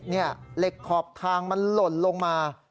นี่เหล็กขอบทางมันหล่นลงมา